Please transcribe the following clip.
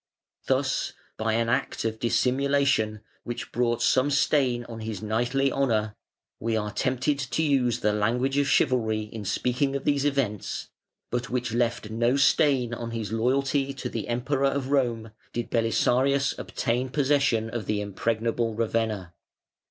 Thus, by an act of dissimulation, which brought some stain on his knightly honour (we are tempted to use the language of chivalry in speaking of these events), but which left no stain on his loyalty to the Emperor of Rome, did Belisarius obtain possession of the impregnable Ravenna.